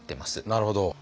なるほど。